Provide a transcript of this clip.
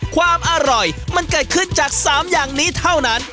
ความอร่อยมันเกิดขึ้นจาก๓อย่างนี้เท่านั้น